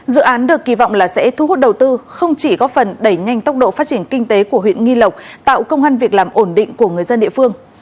dự án được kỳ vọng là sẽ thu hút đầu tư không chỉ góp phần đẩy nhanh tốc độ phát triển kinh tế của huyện nghi lộc tạo công an việc làm ổn định của người dân địa phương